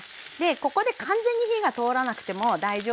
ここで完全に火が通らなくても大丈夫です。